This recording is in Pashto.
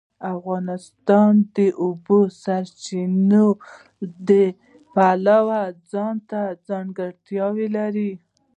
افغانستان د د اوبو سرچینې د پلوه ځانته ځانګړتیا لري.